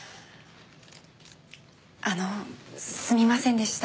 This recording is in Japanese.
あのすみませんでした